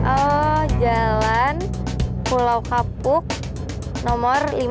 oh jalan pulau kapuk nomor lima puluh